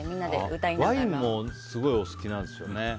ワインもすごいお好きなんですよね。